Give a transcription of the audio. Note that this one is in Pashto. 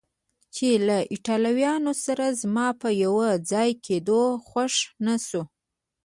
چې له ایټالویانو سره زما په یو ځای کېدو خوښه نه شوه.